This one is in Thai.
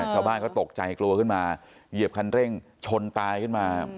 ชาวบ้านก็ตกใจกลัวขึ้นมาเหยียบคันเร่งชนตายขึ้นมา